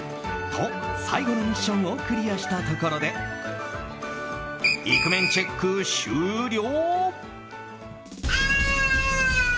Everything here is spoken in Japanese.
と、最後のミッションをクリアしたところでイクメンチェック終了！